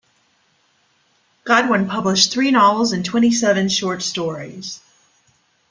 Godwin published three novels and twenty seven short stories.